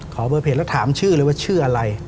ขอเบอร์เพจแล้วถามชื่อเลยว่าชื่ออะไร